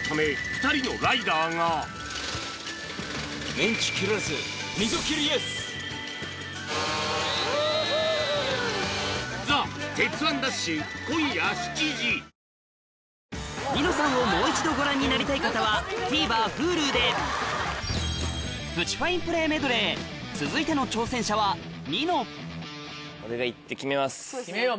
サントリーセサミン『ニノさん』をもう一度ご覧になりたい方はＴＶｅｒＨｕｌｕでプチファインプレーメドレー続いての挑戦者はニノ決めよう